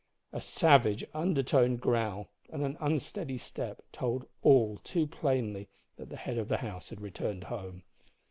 A savage undertoned growl and an unsteady step told all too plainly that the head of the house had returned home.